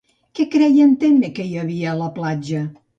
Què creia en Temme que hi havia a la platja?